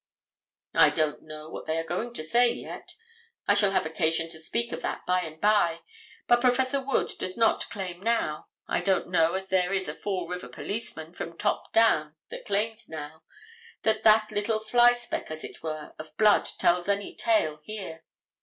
I don't know what they are going to say yet. I shall have occasion to speak of that by and by. But Prof. Wood does not claim now—I don't know as there is a Fall River policeman, from the top down, that claims now—that that little fly speck, as it were, of blood tells any tale here.